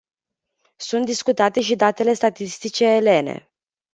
Sunt discutate și datele statistice elene.